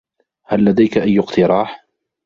هل لديك أي اقتراح؟